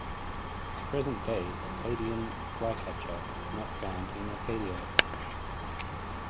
The present-day "Acadian flycatcher" is not found in Acadia.